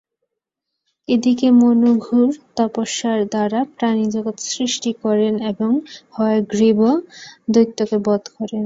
এদিকে মনু ঘোর তপস্যার দ্বারা প্রাণিজগৎ সৃষ্টি করেন এবং হয়গ্রীব দৈত্যকে বধ করেন।